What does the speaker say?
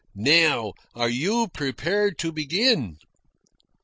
Now, are you prepared to begin?"